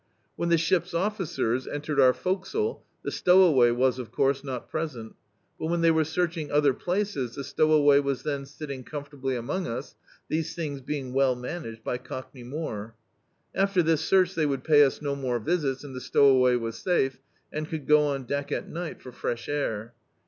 When the ship's officers entered our forecastle the stowaway was, of course, not present, but when they were searching other places, the stowaway was then sitting comfortably among us, these things being well managed by Cock ney More. After this search they would pay us no more visits, and the stowaway was safe, and could go on deck at night for fresh air.